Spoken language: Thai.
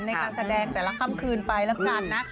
ในการแสดงแต่ละค่ำคืนไปแล้วกันนะ